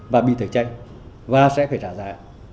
và bị thể trách và sẽ phải trả giá